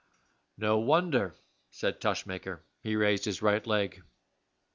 "No wonder," said Tushmaker, "he raised his right leg."